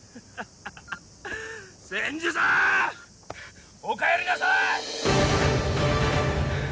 千住さん！お帰りなさい！